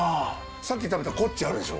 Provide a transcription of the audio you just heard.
さっき食べたコッチあるでしょ。